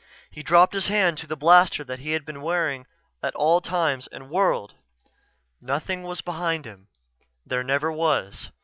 He dropped his hand to the blaster he had taken to wearing at all times and whirled. Nothing was behind him. There never was.